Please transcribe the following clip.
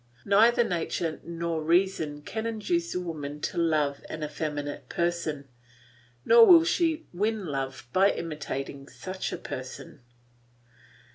Neither nature nor reason can induce a woman to love an effeminate person, nor will she win love by imitating such a person.